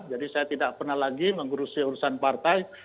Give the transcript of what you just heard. jadi saya tidak pernah lagi mengurusi urusan partai